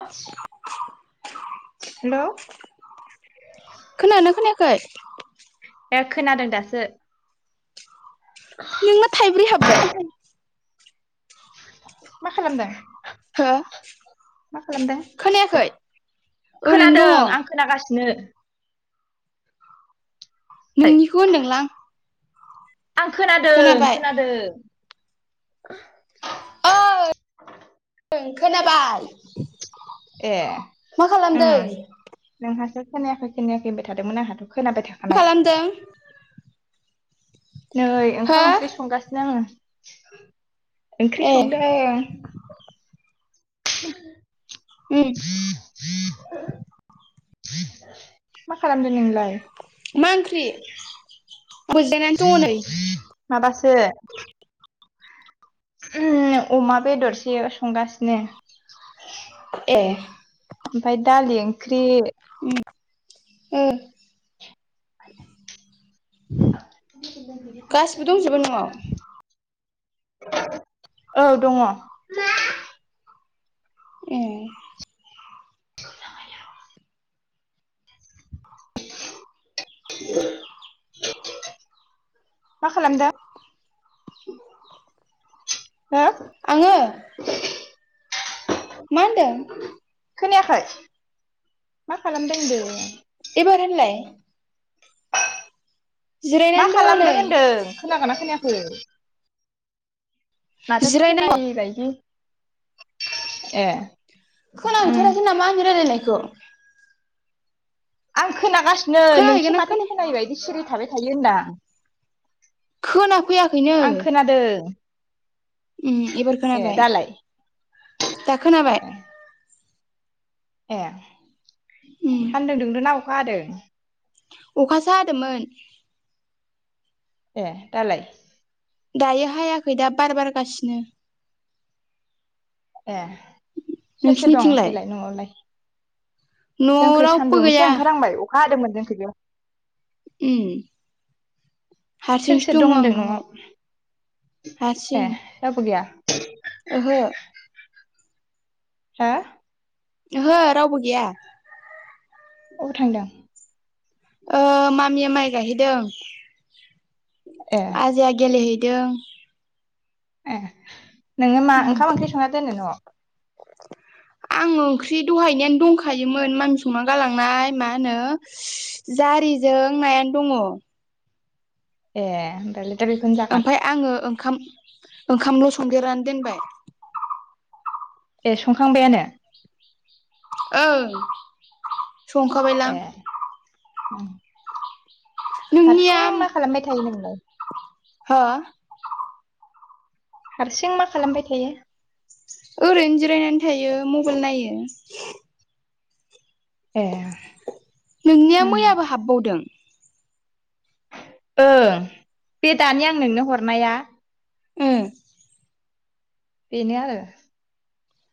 [inaudible] हेल' खोनादोंना खोनायाखै? ए खोनादों दासो। नोंना थाइब्रै हाबबाय मा खालामदों? हो मा खालामदों खोनायाखै ओरैनो खोनादों आं। खोनागासिनो। नोंनिखौ होनदोंलां? आं खोनादों खोनाबाय खोनादों। ओइ खोनाबाय। ए मा खालामदों उम नोंहासो खोनायाखै खोनायाखै होनबाय थादोंमोन आंहाथ' खोनाबाय थाखानाय। [unintelligible] नै हो ओंखाम ओंख्रि संगासिनो आङो। ओंख्रि ए संदों। [inaudible] मा खालामदों नोंलाय? मा ओंख्रि जिरायनानै दङ नै। माबासो उम अमा बेदरसो संगासिनो। ए ओमफ्राय दालि ओंख्रि। [unintelligible] गासिबो दंजोबो न'आव [inaudible] औ दङ ए [inaudible] मा खालामदो हा आङो मा होनदों? खोनायाखै मा खालामदों होनदों? एबार होनलाय मा जिरायनानै दङ नै खालामदों होनदों? खोनादोंना खोनायाखै माथो जिरायनाय खोनायैबायदि ए उम खोनाहैथाराखै नामा आंनि रायलायनायखौ आं खोनागासिनो नोंसो खोनाहैगोन ना माथो खोनाया खोनायि बायदि सिरि थाबाय थायो होनदो आं खोनाफैयाखैनो [inaudible] आं खोनादों एबार ए खोनाबाय दालाय दा खोनाबाय ए ए उम सान्दुं दुंदों ना अखा हादों अखासो हादोंमोन ए दालाय दायो हायाखै दा बार बारगासिनो ए सोर सोर दं नोंसिनिथिंलाय ओमफायलाय न'आवलाय न'आव जोंखै रावबो सान्दुं एसे गैया ओंखारहांबाय अखा हादोंमोन जोंखैबो उम सोर हारसिंसो सोर दं दङ आं होनदों न'आव ए हारसिं रावबो गैया ओहो हा ओहो रावबो गैया अबाव थांदों मामिया माइ गायहैदों ए राजाया गेलेहैदों ए नोङो मा उम ओंखाम ओंख्रि संना दोनो न'आव आं ओंख्रि दहायनियानो दंखायोमोन मामि संना गालांनाय मा होनो जारिजों नायानो दङ ए हामदो ओमफाय आङो ओंखाम ओंखामल' संदेरनानै दोनबाय ए संखांबायानो औ ए हारसिं मा खालामबाय थायो नोंलाय हा हारसिं मा खालामबाय थायो ओरैनो जिरायनानै थायो मबाइल नायो ए नोंनिया उम मैयाबो हाबबावदों ओं बे दानि आं नोंनो हरनाया ओ बेनो आरो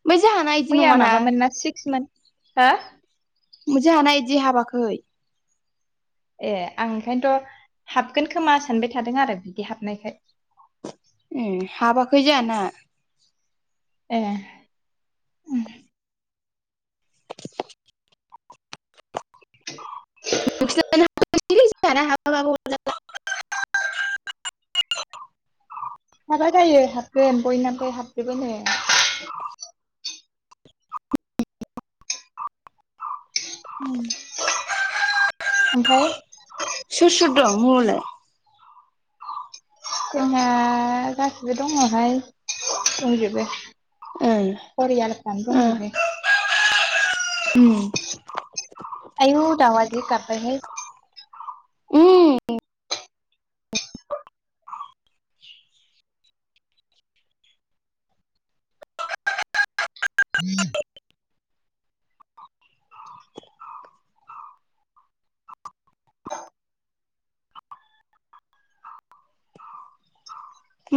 ओमफ्राय जाहाना मैया माबामोन ना सिक्समोन हा [unintelligible] हानाय बिदि हाबाखै ए आं ओंखायनोथ' हाबगोन खोमा सानबाय थादों आरो बिदि हाबनायखाय। उम हाबाखै जाहाना। ए उम [inaudible] हाबा जायो हाबगोन बयनाबो हाबजोबोनो ओम ओमफ्राय सोसोर दं मुंहरलाय जोंहा गासिबो दङहाय दंजोबो बरिया नोंथां ओ दंजोबो। उम आयु दाउवा जि गाब्बायहाय। उम [unintelligible]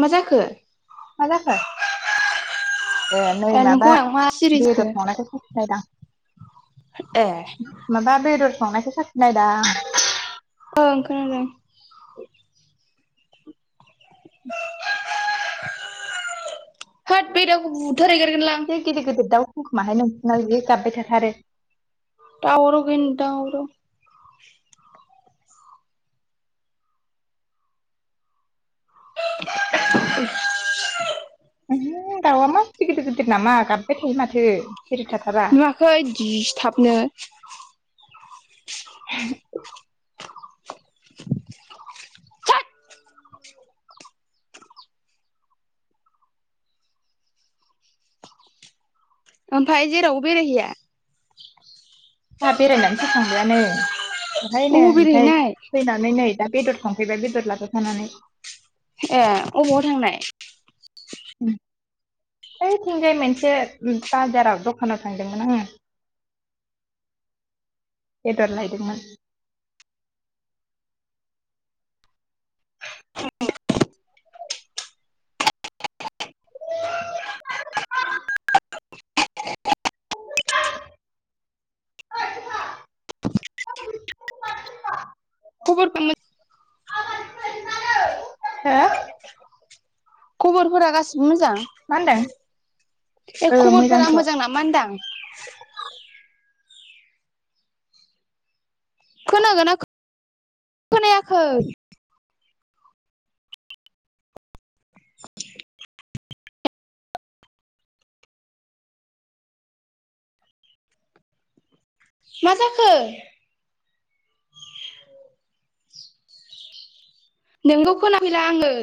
मा जाखो? मा जाखो? ए नै माबा नोंखौ आं मा सिरि जाखो बेदर संनायखौ साखिनायदां। ए माबा बेदर संनायखौ साखिनायदां। ओं खोनादों। होद बे दाउखौ बुथार हैगारगोनलां। एसे गिदिर गिदिर दाउ दंखुमाहाय नोंसाना बिदि गाब्बाय थाथारो। दावराव गैयैनि दावराव। [unintelligible] आयु दाउआ मासे गिदिर गिदिर नामा गाबबाय थायो माथो। सिरि थाथारा नुवाखै दिसथाबनो। [unintelligible] होद [inaudible] ओमफ्राय जेरावबो बेरायहैया? आंहा बेरायनानै फोखांबायानो दहायनो अबाव ओमफ्राय बेरायहैनाय फैनानै नै दा बेदर संफैबाय बेदर लाबो फानानै। ए अबाव थांनाय? [unintelligible] बैथिंजाय मोनसे बाजाराव दखानाव थांदोंमोन आङो। बेदर लायदोंमोन। हो खबरफ्रा मो- [unintelligible] हो खबरफोरा गासिबो मोजां? मा होनदों बे ओ खबरफोरा मोजांथ' मोजां नामा होनदां? खोनागोनना खो- खोनायाखै? मा जाखो? नोंनिखौ खोनाफैला आङो।